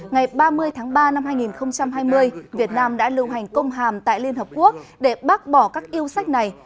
ngày ba mươi tháng ba năm hai nghìn hai mươi việt nam đã lưu hành công hàm tại liên hợp quốc để bác bỏ các yêu sách này